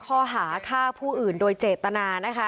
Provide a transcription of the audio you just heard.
ข้อหาฆ่าผู้อื่นโดยเจตนานะคะ